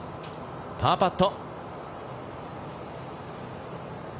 パーパット。